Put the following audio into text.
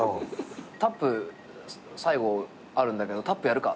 「タップ最後あるんだけどタップやるか？」って言われて。